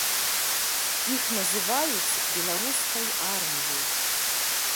Іх называюць беларускай арміяй.